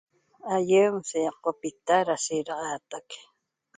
Aiem se copita da sheraxateq